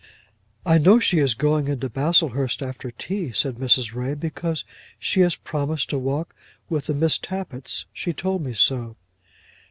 "I know she is going into Baslehurst after tea," said Mrs. Ray, "because she has promised to walk with the Miss Tappitts. She told me so."